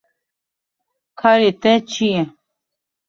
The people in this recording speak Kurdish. Karê te çi ye?